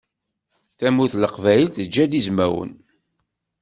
Tamurt n leqbayel teǧǧa-d izmawen.